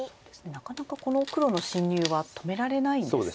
なかなかこの黒の侵入は止められないんですね。